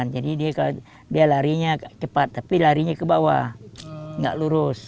jadi dia larinya cepat tapi larinya ke bawah nggak lurus